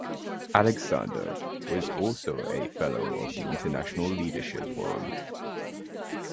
Alexander is also a fellow of the International Leadership Forum.